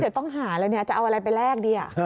เดี๋ยวต้องหาเลยจะเอาอะไรไปแลก